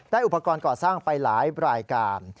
อุปกรณ์ก่อสร้างไปหลายรายการ